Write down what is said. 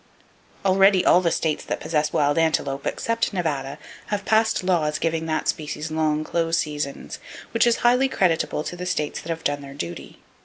Already all the states that possess wild antelope, except Nevada, have passed laws giving that species long close seasons; which is highly creditable to the states that have done their duty.